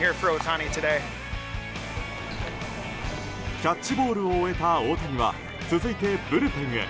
キャッチボールを終えた大谷は続いて、ブルペンへ。